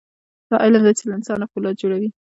دا علم دی چې له انسان نه فولاد جوړوي.